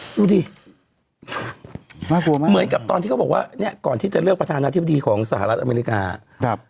ดูดิสร้างเมื่อกลับตอนที่เขาบอกว่านี่ก่อนที่จะเลือกประธานาธิบดีของสหรัฐอเมริกา